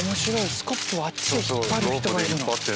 スコップをあっちで引っ張る人がいるの？